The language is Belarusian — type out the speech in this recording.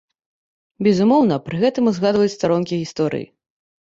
Безумоўна, пры гэтым узгадваюць старонкі гісторыі.